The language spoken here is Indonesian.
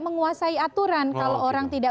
menguasai aturan kalau orang tidak